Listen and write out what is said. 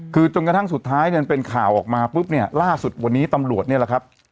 คือจนกระทั่งสุดท้ายเนี่ยมันเป็นข่าวออกมาปุ๊บเนี่ยล่าสุดวันนี้ตำรวจเนี่ยแหละครับ